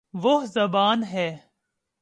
وہ زبا ن ہے